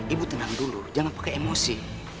ibu tenang dulu jangan pakai emosi